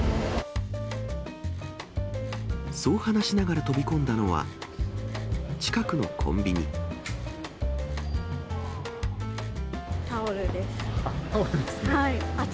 そう話しながら飛び込んだのタオルです。